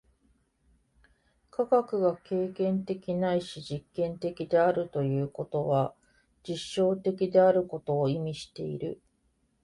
科学が経験的ないし実験的であるということは、実証的であることを意味している。